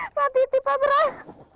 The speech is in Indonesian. mati tipe berat